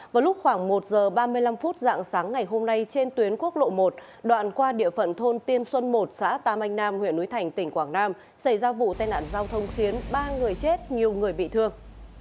vào lúc khoảng một giờ ba mươi năm phút dạng sáng ngày hôm nay trên tuyến quốc lộ một đoạn qua địa phận thôn tiên xuân một xã tam anh nam huyện núi thành tỉnh quảng nam xảy ra vụ tai nạn giao thông khiến ba người chết nhiều người bị thương